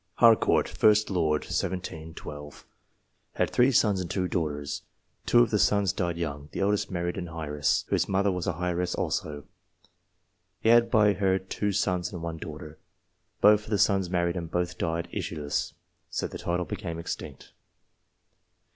Harcourt, 1st Lord (1712). Had three sons and two daughters. Two of the sons died young. The eldest married an heiress, whose mother was an heiress also. He had by her two sons and one daughter. Both of the sons married, and both died issueless, so the title became extinct.